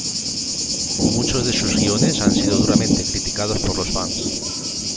Muchos de sus guiones han sido duramente criticados por los fans.